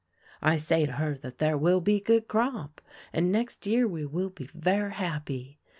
" I say to her that there will be good crop, and next year we will be ver' happy.